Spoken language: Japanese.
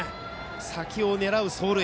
先を狙う走塁。